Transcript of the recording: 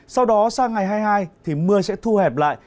sau đó sang ngày hai mươi hai thì mưa sẽ thu hẹp lại